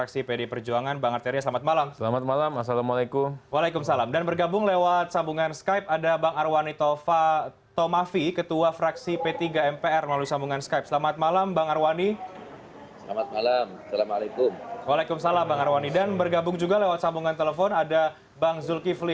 selamat malam bang zulkifli